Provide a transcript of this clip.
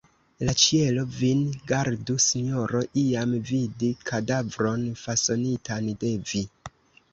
La ĉielo vin gardu, sinjoro, iam vidi kadavron fasonitan de vi!